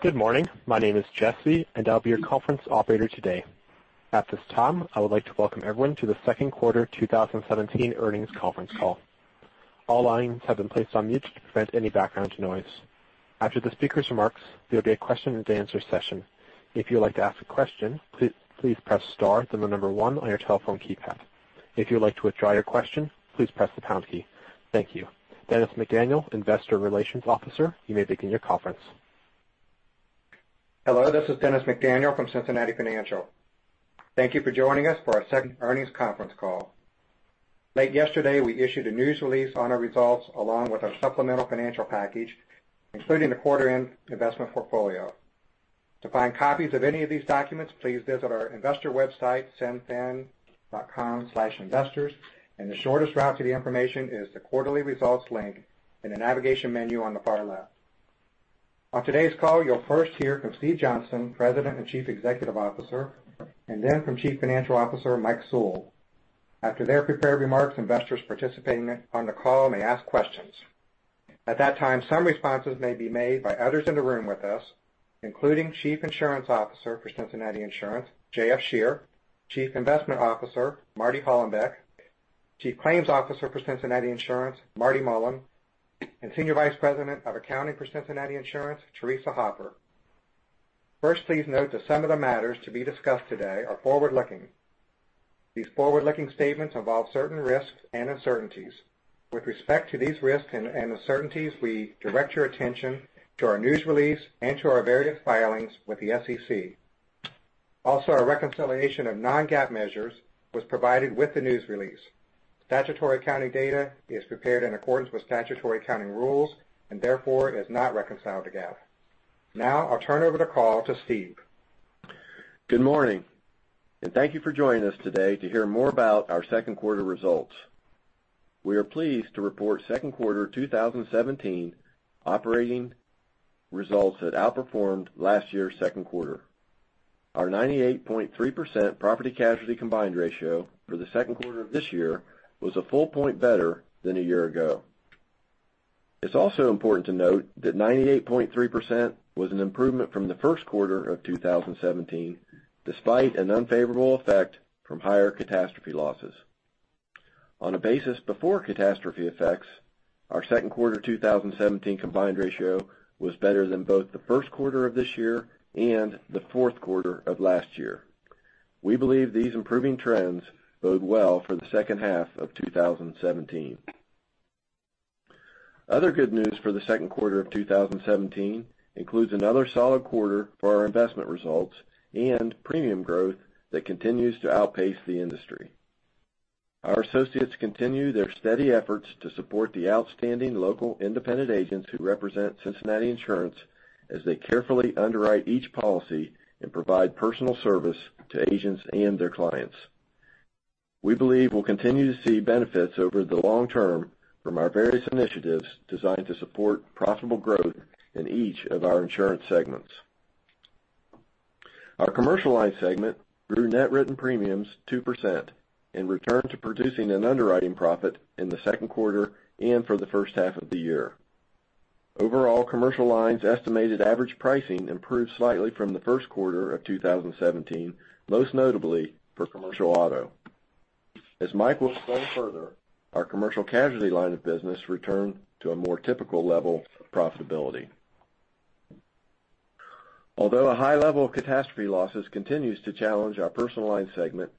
Good morning. My name is Jesse. I'll be your conference operator today. At this time, I would like to welcome everyone to the second quarter 2017 earnings conference call. All lines have been placed on mute to prevent any background noise. After the speaker's remarks, there'll be a question and answer session. If you'd like to ask a question, please press star, then the number 1 on your telephone keypad. If you'd like to withdraw your question, please press the pound key. Thank you. Dennis McDaniel, Investor Relations Officer, you may begin your conference. Hello, this is Dennis McDaniel from Cincinnati Financial. Thank you for joining us for our second earnings conference call. Late yesterday, we issued a news release on our results along with our supplemental financial package, including the quarter end investment portfolio. To find copies of any of these documents, please visit our investor website, cinfin.com/investors, and the shortest route to the information is the quarterly results link in the navigation menu on the far left. On today's call, you'll first hear from Steve Johnston, President and Chief Executive Officer, and then from Chief Financial Officer, Mike Sewell. At that time, some responses may be made by others in the room with us, including Chief Insurance Officer for The Cincinnati Insurance Company, J.F. Scherer, Chief Investment Officer, Marty Hollenbeck, Chief Claims Officer for The Cincinnati Insurance Company, Marty Mullen, and Senior Vice President of Accounting for The Cincinnati Insurance Company, Theresa Hoffer. First, please note that some of the matters to be discussed today are forward-looking. These forward-looking statements involve certain risks and uncertainties. With respect to these risks and uncertainties, we direct your attention to our news release and to our various filings with the SEC. Our reconciliation of non-GAAP measures was provided with the news release. Statutory accounting data is prepared in accordance with statutory accounting rules, and therefore, it is not reconciled to GAAP. I'll turn over the call to Steve. Good morning, and thank you for joining us today to hear more about our second quarter results. We are pleased to report second quarter 2017 operating results that outperformed last year's second quarter. Our 98.3% property casualty combined ratio for the second quarter of this year was a full point better than a year ago. It's also important to note that 98.3% was an improvement from the first quarter of 2017, despite an unfavorable effect from higher catastrophe losses. On a basis before catastrophe effects, our second quarter 2017 combined ratio was better than both the first quarter of this year and the fourth quarter of last year. We believe these improving trends bode well for the second half of 2017. Other good news for the second quarter of 2017 includes another solid quarter for our investment results and premium growth that continues to outpace the industry. Our associates continue their steady efforts to support the outstanding local independent agents who represent Cincinnati Insurance as they carefully underwrite each policy and provide personal service to agents and their clients. We believe we'll continue to see benefits over the long term from our various initiatives designed to support profitable growth in each of our insurance segments. Our commercial line segment grew net written premiums 2% and returned to producing an underwriting profit in the second quarter and for the first half of the year. Overall, commercial lines estimated average pricing improved slightly from the first quarter of 2017, most notably for commercial auto. As Mike will explain further, our commercial casualty line of business returned to a more typical level of profitability. Although a high level of catastrophe losses continues to challenge our personal line segment,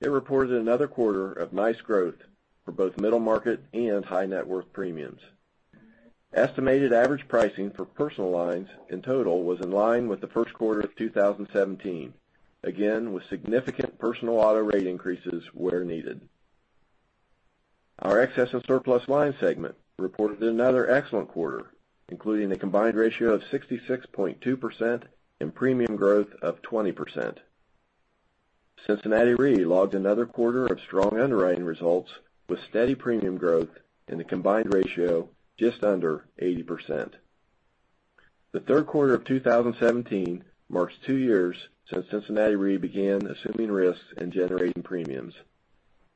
it reported another quarter of nice growth for both middle market and high net worth premiums. Estimated average pricing for personal lines in total was in line with the first quarter of 2017, again, with significant personal auto rate increases where needed. Our excess and surplus line segment reported another excellent quarter, including a combined ratio of 66.2% and premium growth of 20%. Cincinnati Re logged another quarter of strong underwriting results with steady premium growth and a combined ratio just under 80%. The third quarter of 2017 marks 2 years since Cincinnati Re began assuming risks and generating premiums.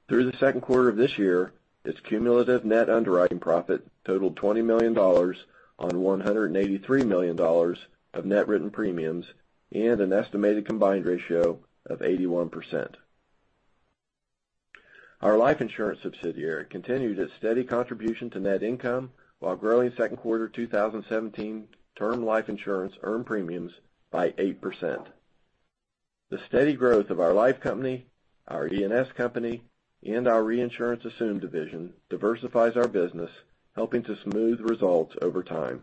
Through the second quarter of this year, its cumulative net underwriting profit totaled $20 million on $183 million of net written premiums and an estimated combined ratio of 81%. Our life insurance subsidiary continued its steady contribution to net income while growing second quarter 2017 term life insurance earned premiums by 8%. The steady growth of our life company, our E&S company, and our Cincinnati Re diversifies our business, helping to smooth results over time.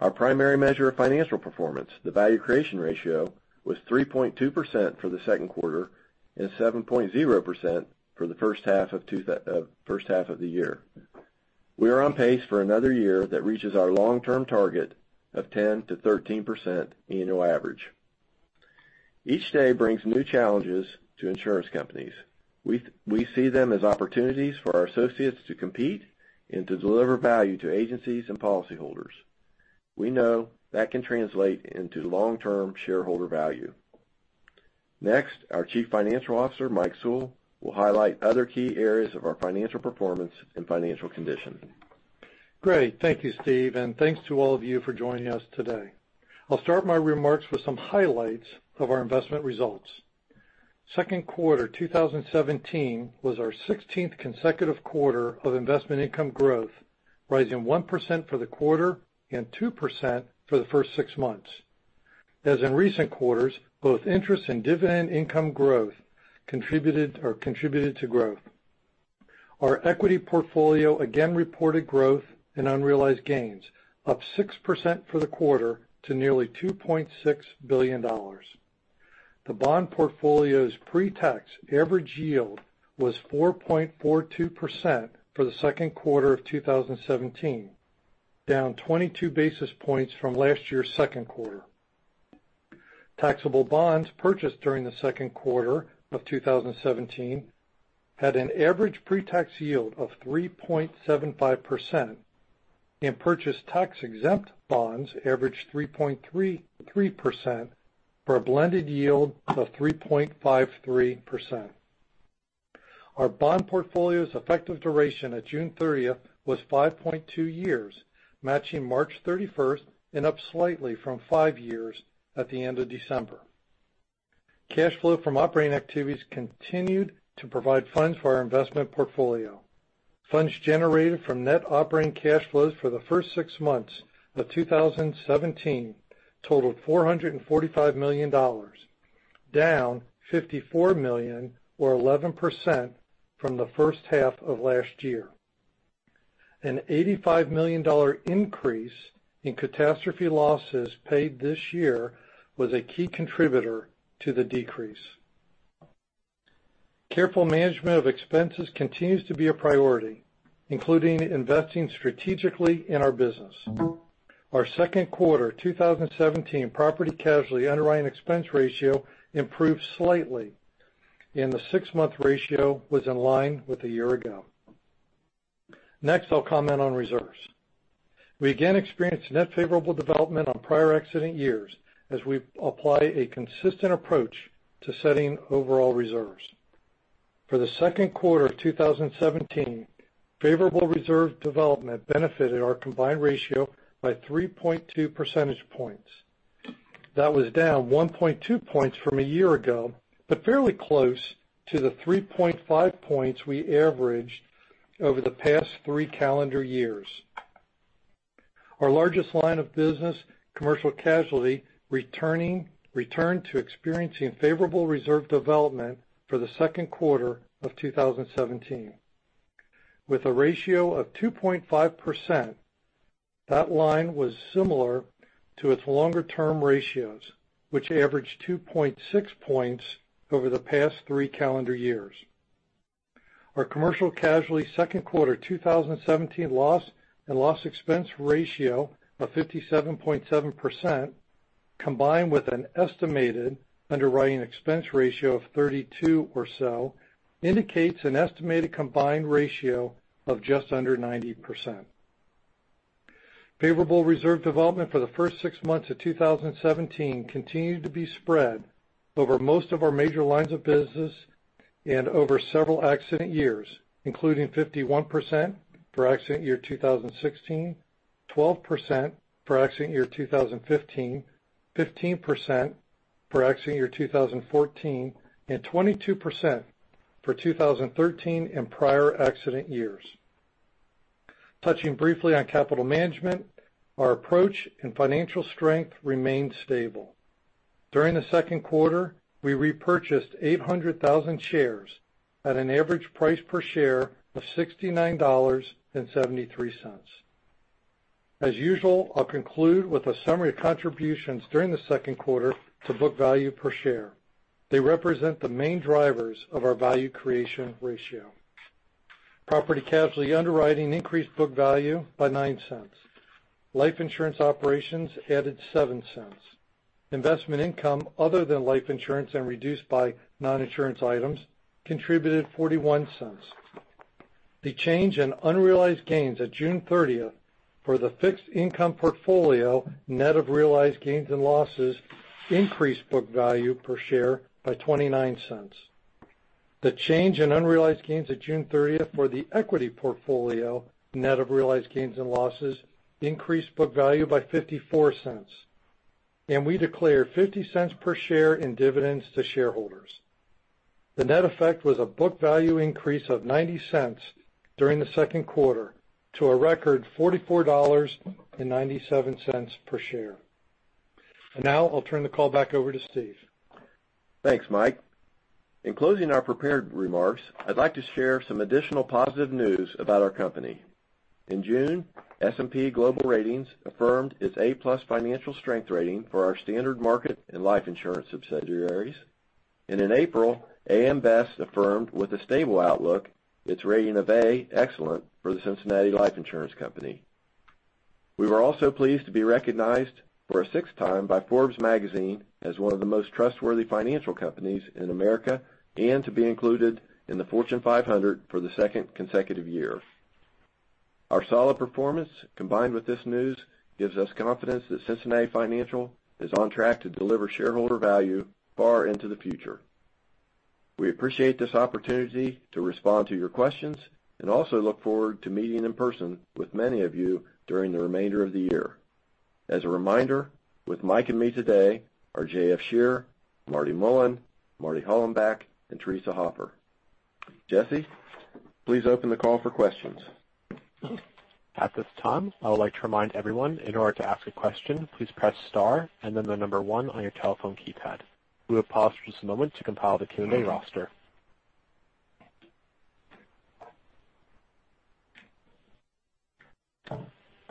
Our primary measure of financial performance, the value creation ratio, was 3.2% for the second quarter and 7.0% for the first half of the year. We are on pace for another year that reaches our long-term target of 10% to 13% annual average. Each day brings new challenges to insurance companies. We see them as opportunities for our associates to compete and to deliver value to agencies and policyholders. We know that can translate into long-term shareholder value. Next, our Chief Financial Officer, Mike Sewell, will highlight other key areas of our financial performance and financial condition. Great. Thank you, Steve, thanks to all of you for joining us today. I'll start my remarks with some highlights of our investment results. Second quarter 2017 was our 16th consecutive quarter of investment income growth, rising 1% for the quarter and 2% for the first six months. As in recent quarters, both interest and dividend income growth contributed to growth. Our equity portfolio again reported growth in unrealized gains, up 6% for the quarter to nearly $2.6 billion. The bond portfolio's pretax average yield was 4.42% for the second quarter of 2017, down 22 basis points from last year's second quarter. Taxable bonds purchased during the second quarter of 2017 had an average pretax yield of 3.75%, and purchased tax-exempt bonds averaged 3.33%, for a blended yield of 3.53%. Our bond portfolio's effective duration at June 30th was 5.2 years, matching March 31st, up slightly from five years at the end of December. Cash flow from operating activities continued to provide funds for our investment portfolio. Funds generated from net operating cash flows for the first six months of 2017 totaled $445 million, down $54 million or 11% from the first half of last year. An $85 million increase in catastrophe losses paid this year was a key contributor to the decrease. Careful management of expenses continues to be a priority, including investing strategically in our business. Our second quarter 2017 property casualty underwriting expense ratio improved slightly, and the six-month ratio was in line with a year ago. Next, I'll comment on reserves. We again experienced net favorable development on prior accident years as we apply a consistent approach to setting overall reserves. For the second quarter of 2017, favorable reserve development benefited our combined ratio by 3.2 percentage points. That was down 1.2 points from a year ago, fairly close to the 3.5 points we averaged over the past three calendar years. Our largest line of business, commercial casualty, returned to experiencing favorable reserve development for the second quarter of 2017. With a ratio of 2.5%, that line was similar to its longer-term ratios, which averaged 2.6 points over the past three calendar years. Our commercial casualty second quarter 2017 loss and loss expense ratio of 57.7%, combined with an estimated underwriting expense ratio of 32 or so, indicates an estimated combined ratio of just under 90%. Favorable reserve development for the first six months of 2017 continued to be spread over most of our major lines of business over several accident years, including 51% for accident year 2016, 12% for accident year 2015, 15% for accident year 2014, and 22% for 2013 and prior accident years. Touching briefly on capital management, our approach and financial strength remained stable. During the second quarter, we repurchased 800,000 shares at an average price per share of $69.73. As usual, I'll conclude with a summary of contributions during the second quarter to book value per share. They represent the main drivers of our value creation ratio. Property casualty underwriting increased book value by $0.09. Life insurance operations added $0.07. Investment income other than life insurance and reduced by non-insurance items contributed $0.41. The change in unrealized gains at June 30th for the fixed income portfolio, net of realized gains and losses, increased book value per share by $0.29. The change in unrealized gains at June 30th for the equity portfolio, net of realized gains and losses, increased book value by $0.54. We declared $0.50 per share in dividends to shareholders. The net effect was a book value increase of $0.90 during the second quarter to a record $44.97 per share. Now I'll turn the call back over to Steve. Thanks, Mike. In closing our prepared remarks, I'd like to share some additional positive news about our company. In June, S&P Global Ratings affirmed its A+ financial strength rating for our standard market and life insurance subsidiaries. In April, AM Best affirmed with a stable outlook its rating of A, Excellent, for The Cincinnati Life Insurance Company. We were also pleased to be recognized for a sixth time by Forbes magazine as one of the most trustworthy financial companies in America and to be included in the Fortune 500 for the second consecutive year. Our solid performance combined with this news gives us confidence that Cincinnati Financial is on track to deliver shareholder value far into the future. We appreciate this opportunity to respond to your questions and also look forward to meeting in person with many of you during the remainder of the year. As a reminder, with Mike and me today are J.F. Scherer, Marty Mullen, Marty Hollenbeck, and Theresa Hoffer. Jesse, please open the call for questions. At this time, I would like to remind everyone, in order to ask a question, please press star and then the number one on your telephone keypad. We will pause for just a moment to compile the Q&A roster.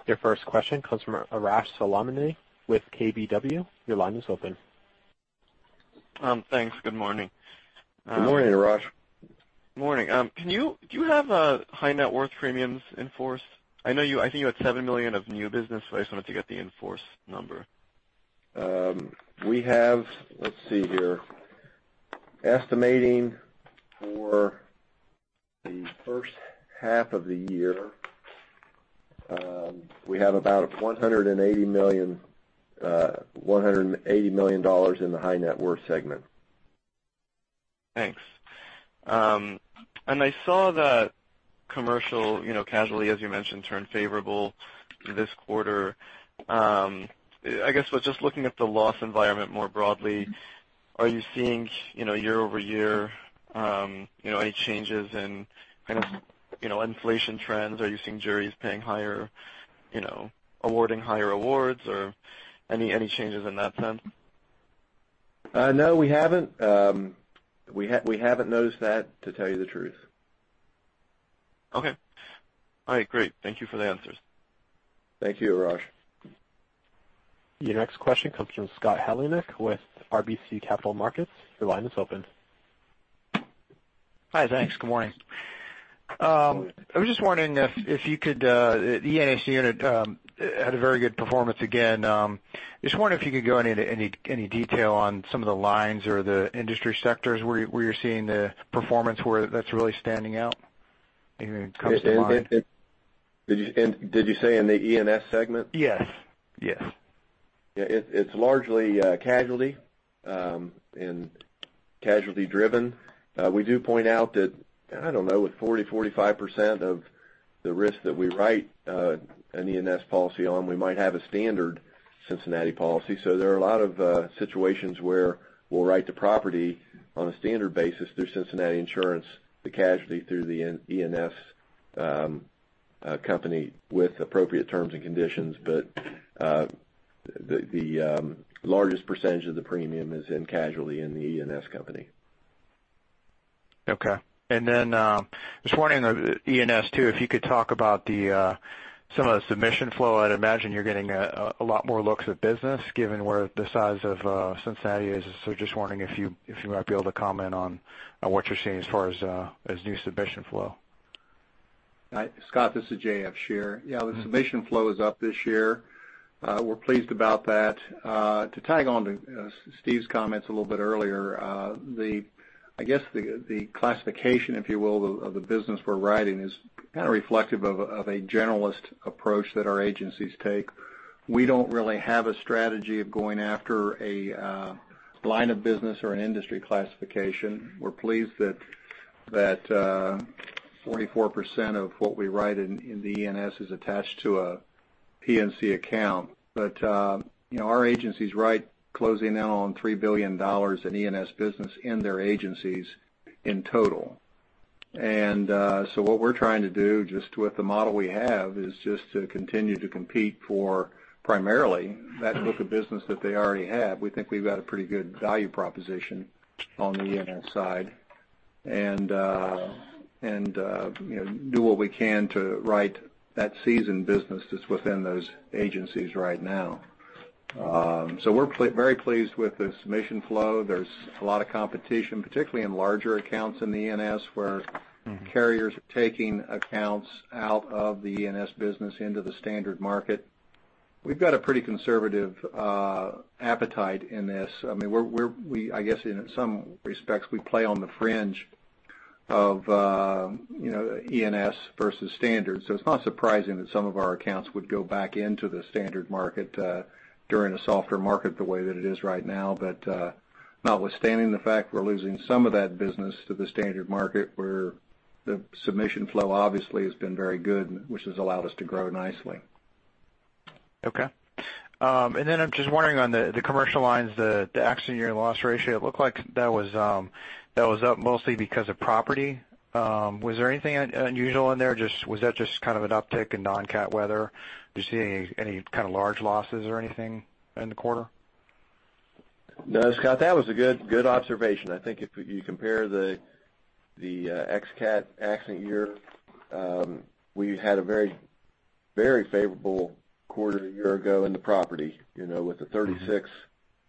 Your first question comes from Arash Soleimani with KBW. Your line is open. Thanks. Good morning. Good morning, Arash. Morning. Do you have high net worth premiums in force? I think you had $7 million of new business, I just wanted to get the in-force number. We have, let's see here, estimating for the first half of the year, we have about $180 million in the high net worth segment. Thanks. I saw that commercial casualty, as you mentioned, turned favorable this quarter. I guess, just looking at the loss environment more broadly, are you seeing, year-over-year, any changes in inflation trends? Are you seeing juries awarding higher awards or any changes in that sense? No, we haven't. We haven't noticed that, to tell you the truth. Okay. All right, great. Thank you for the answers. Thank you, Arash. Your next question comes from Scott Heleniak with RBC Capital Markets. Your line is open. Hi, thanks. Good morning. Good morning. I was just wondering, the E&S unit had a very good performance again. I just wonder if you could go into any detail on some of the lines or the industry sectors where you're seeing the performance where that's really standing out in terms of lines. Did you say in the E&S segment? Yes. It's largely casualty and casualty driven. We do point out that, I don't know, with 40%, 45% of the risk that we write an E&S policy on, we might have a standard Cincinnati policy. There are a lot of situations where we'll write the property on a standard basis through Cincinnati Insurance, the casualty through the E&S company with appropriate terms and conditions. The largest percentage of the premium is in casualty in the E&S company. Okay. Then just wondering, E&S too, if you could talk about some of the submission flow. I'd imagine you're getting a lot more looks at business given where the size of Cincinnati is. Just wondering if you might be able to comment on what you're seeing as far as new submission flow. Scott, this is J.F. Scherer. Yeah, the submission flow is up this year. We're pleased about that. To tag onto Steve's comments a little bit earlier, I guess the classification, if you will, of the business we're writing is kind of reflective of a generalist approach that our agencies take. We don't really have a strategy of going after a line of business or an industry classification. We're pleased that 44% of what we write in the E&S is attached to a P&C account. Our agencies write closing in on $3 billion in E&S business in their agencies in total. What we're trying to do just with the model we have is just to continue to compete for primarily that book of business that they already have. We think we've got a pretty good value proposition on the E&S side, and do what we can to write that seasoned business that's within those agencies right now. We're very pleased with the submission flow. There's a lot of competition, particularly in larger accounts in the E&S where carriers are taking accounts out of the E&S business into the standard market. We've got a pretty conservative appetite in this. I guess in some respects, we play on the fringe of E&S versus standard. It's not surprising that some of our accounts would go back into the standard market during a softer market the way that it is right now. Notwithstanding the fact we're losing some of that business to the standard market where the submission flow obviously has been very good, which has allowed us to grow nicely. Okay. I'm just wondering on the commercial lines, the accident year loss ratio, it looked like that was up mostly because of property. Was there anything unusual in there? Was that just kind of an uptick in non-cat weather? Do you see any kind of large losses or anything in the quarter? No, Scott, that was a good observation. I think if you compare the ex-cat accident year, we had a very favorable quarter a year ago in the property, with a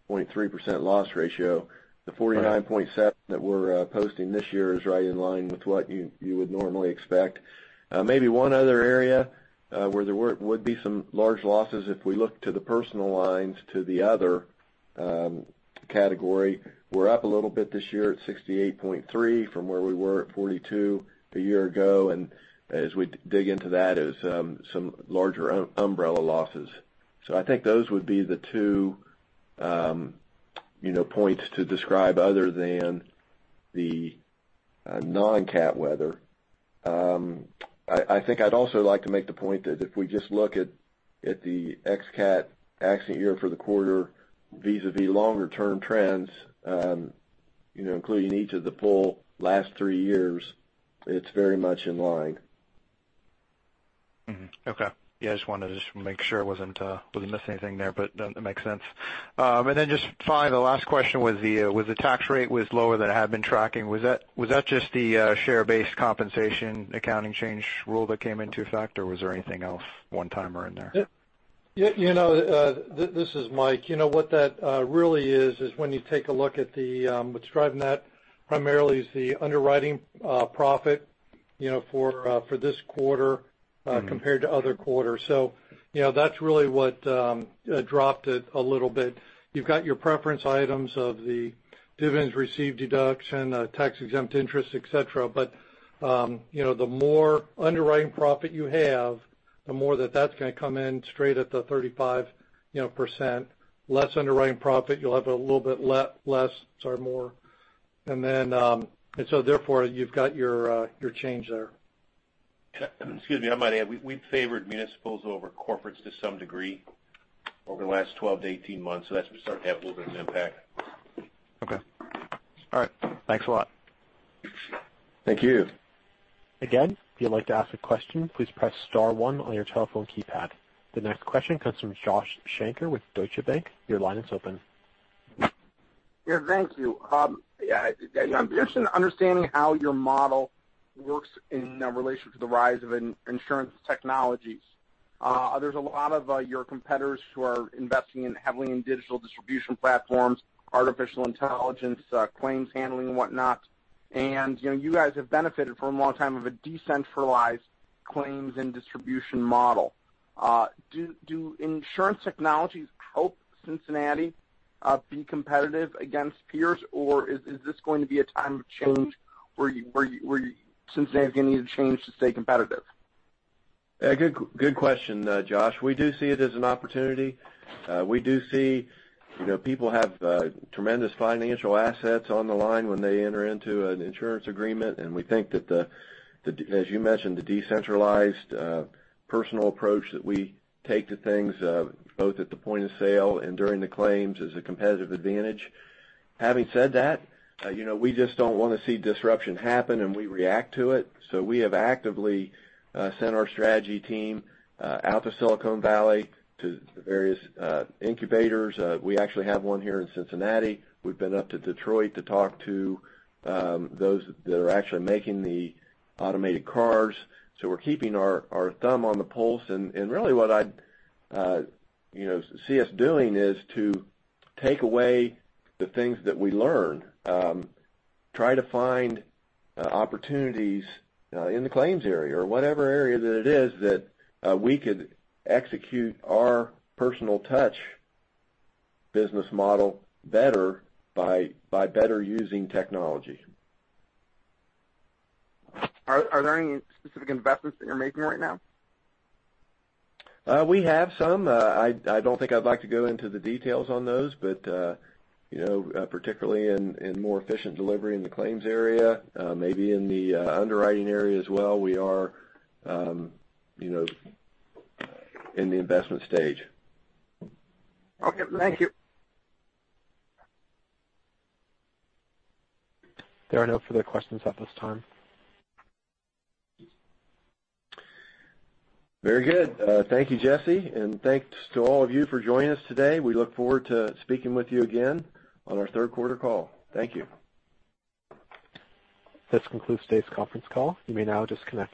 36.3% loss ratio. The 49.7% that we're posting this year is right in line with what you would normally expect. Maybe one other area where there would be some large losses if we look to the personal lines to the other- Category. We're up a little bit this year at 68.3% from where we were at 42% a year ago, and as we dig into that is some larger umbrella losses. I think those would be the two points to describe other than the non-cat weather. I think I'd also like to make the point that if we just look at the ex-cat accident year for the quarter vis-a-vis longer term trends, including each of the full last three years, it's very much in line. Mm-hmm. Okay. Just wanted to just make sure I wasn't missing anything there, but that makes sense. Just finally, the last question was the tax rate was lower than I had been tracking. Was that just the share-based compensation accounting change rule that came into effect? Or was there anything else one-timer in there? This is Mike. What that really is when you take a look at what's driving that primarily is the underwriting profit for this quarter compared to other quarters. That's really what dropped it a little bit. You've got your preference items of the dividends received deduction, tax-exempt interest, et cetera. The more underwriting profit you have, the more that that's going to come in straight at the 35%, less underwriting profit, you'll have a little bit less or more. Therefore, you've got your change there. Excuse me, I might add, we favored municipals over corporates to some degree over the last 12 to 18 months, that's started to have a little bit of an impact. Okay. All right. Thanks a lot. Thank you. Again, if you'd like to ask a question, please press star one on your telephone keypad. The next question comes from Joshua Shanker with Deutsche Bank. Your line is open. Yeah, thank you. I'm interested in understanding how your model works in relation to the rise of insurance technologies. There's a lot of your competitors who are investing heavily in digital distribution platforms, artificial intelligence, claims handling, whatnot, and you guys have benefited for a long time of a decentralized claims and distribution model. Do insurance technologies help Cincinnati be competitive against peers, or is this going to be a time of change where Cincinnati is going to need to change to stay competitive? Yeah. Good question, Josh. We do see it as an opportunity. We do see people have tremendous financial assets on the line when they enter into an insurance agreement, and we think that the, as you mentioned, the decentralized personal approach that we take to things both at the point of sale and during the claims is a competitive advantage. Having said that, we just don't want to see disruption happen, and we react to it. We have actively sent our strategy team out to Silicon Valley to the various incubators. We actually have one here in Cincinnati. We've been up to Detroit to talk to those that are actually making the automated cars. We're keeping our thumb on the pulse, and really what I see us doing is to take away the things that we learn, try to find opportunities in the claims area or whatever area that it is that we could execute our personal touch business model better by better using technology. Are there any specific investments that you're making right now? We have some. I don't think I'd like to go into the details on those, but particularly in more efficient delivery in the claims area, maybe in the underwriting area as well. We are in the investment stage. Okay. Thank you. There are no further questions at this time. Very good. Thank you, Jesse, and thanks to all of you for joining us today. We look forward to speaking with you again on our third quarter call. Thank you. This concludes today's conference call. You may now disconnect.